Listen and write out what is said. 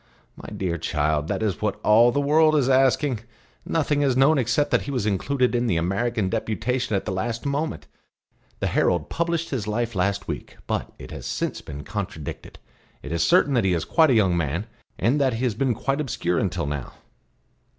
"My dear child, that is what all the world is asking. Nothing is known except that he was included in the American deputation at the last moment. The Herald published his life last week; but it has been contradicted. It is certain that he is quite a young man, and that he has been quite obscure until now."